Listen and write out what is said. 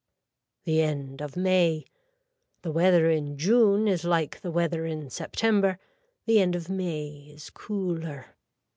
The End of May The weather in June is like the weather in September. The end of May is cooler.